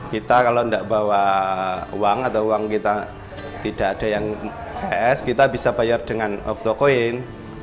kita kalau tidak bawa uang atau uang kita tidak ada yang es kita bisa bayar dengan oktokoin